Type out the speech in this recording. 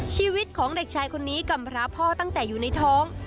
ชีวิตของเด็กชายคนนี้กำพระพ่อตั้งแต่อยู่ในท้อง